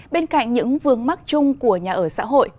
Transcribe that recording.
bên cạnh những vương mắc chung của nhà ở xã hội